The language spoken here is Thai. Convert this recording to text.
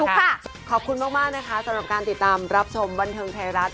ขอบคุณมากนะคะสำหรับการติดตามรับชมบันเทิงไทยรัฐ